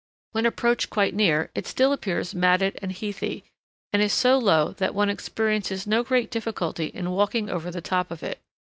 When approached quite near it still appears matted and heathy, and is so low that one experiences no great difficulty in walking over the top of it.